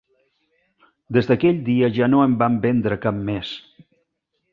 Des d'aquell dia ja no en vam vendre cap més.